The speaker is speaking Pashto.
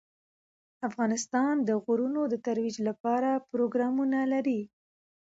افغانستان د غرونه د ترویج لپاره پروګرامونه لري.